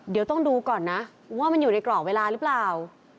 เดี๋ยวต้องดูก่อนนะว่ามันอยู่ในกรอบเวลาหรือเปล่า